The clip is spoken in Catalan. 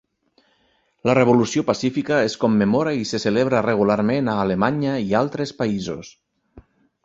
La revolució pacífica es commemora i se celebra regularment a Alemanya i altres països.